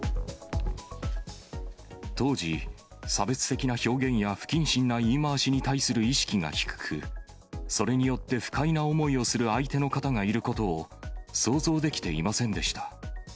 当時、差別的な表現や不謹慎な言い回しに対する意識が低く、それによって不快な思いをされる相手の方がいることを、想像できていませんでした。